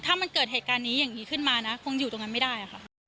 ถ้ามันเกิดเหตุการณ์นี้อย่างนี้ขึ้นมานะคงอยู่ตรงนั้นไม่ได้ค่ะ